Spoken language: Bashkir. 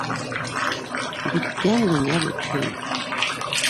Бөткән донъя, бөтһөн!